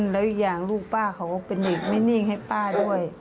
แล้วอีกอย่างลูกป้าเขาเป็นเด็กไม่นิ่งให้ป้าด้วย